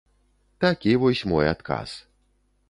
Такі вось мой адказ.